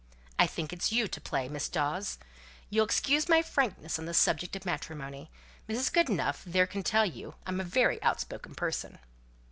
I think it's you to play, Mrs. Dawes. You'll excuse my frankness on the subject of matrimony! Mrs. Goodenough there can tell you I'm a very out spoken person."